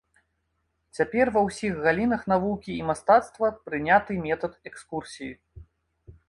Цяпер ва ўсіх галінах навукі і мастацтва прыняты метад экскурсій.